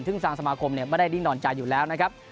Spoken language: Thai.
ซึ่งสร้างสมาคมเนี่ยไม่ได้ดินอนจานอยู่แล้วนะครับ